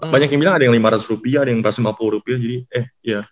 banyak yang bilang ada yang lima ratus rupiah ada yang empat ratus lima puluh rupiah jadi eh